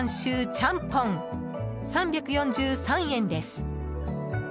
ちゃんぽん３４３円です。